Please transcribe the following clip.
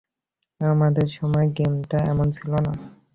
আমাদের সময়ে গেমটা এমন ছিলো না।